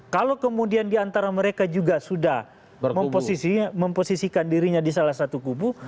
kalau kemudian diantara mereka juga sudah memposisikan dirinya di salah satu kubu